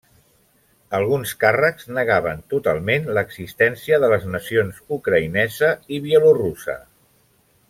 Alguns càrrecs negaven totalment l'existència de les nacions ucraïnesa i bielorussa.